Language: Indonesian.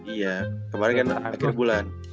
iya kemarin kan akhir bulan